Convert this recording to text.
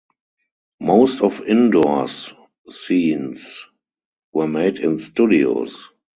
Most of indoors scenes were made in studios.